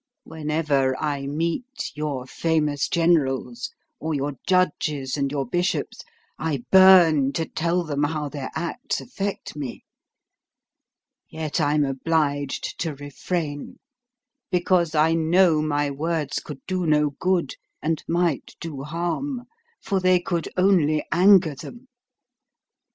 Whenever I meet your famous generals, or your judges and your bishops, I burn to tell them how their acts affect me; yet I'm obliged to refrain, because I know my words could do no good and might do harm, for they could only anger them.